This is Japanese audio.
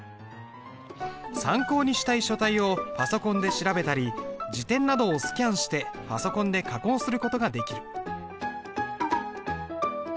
参考にしたい書体をパソコンで調べたり字典などをスキャンしてパソコンで加工する事ができる。